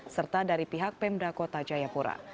serta dari pihak pemda kota jayapura